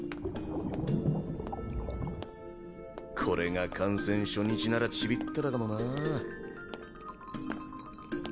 これが感染初日ならちびってたかもなぁ。